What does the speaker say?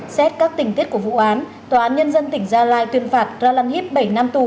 xét các tình tiết của vụ án tòa án nhân dân tỉnh gia lai tuyên phạt ra lan hip bảy năm tù